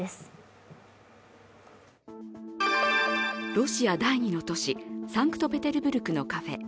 ロシア第２の都市、サンクトペテルブルクのカフェ。